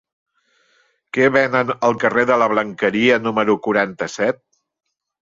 Què venen al carrer de la Blanqueria número quaranta-set?